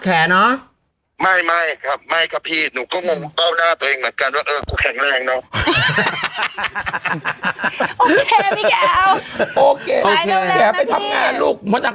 แขเนอะไม่ครับไม่ค่ะพี่หนูก็โมงเก้าหน้าตัวเอง